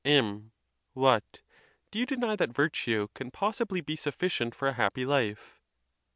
M. What! do you deny that virtue can possibly be suf ficient for a happy life?